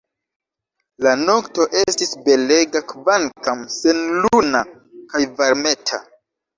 La nokto estis belega, kvankam senluna, kaj varmeta.